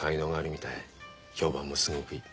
評判もすごくいい。